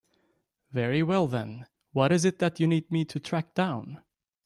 Very well then, what is it that you need me to track down?